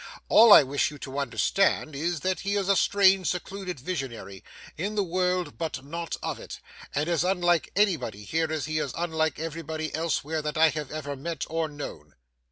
All I wish you to understand is, that he is a strange, secluded visionary, in the world but not of it; and as unlike anybody here as he is unlike anybody elsewhere that I have ever met or known.